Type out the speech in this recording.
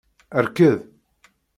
Rked!